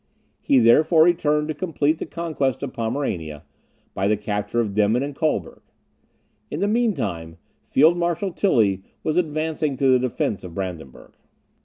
He therefore returned to complete the conquest of Pomerania, by the capture of Demmin and Colberg. In the mean time, Field Marshal Tilly was advancing to the defence of Brandenburg.